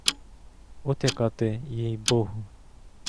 От яка ти, їй-богу!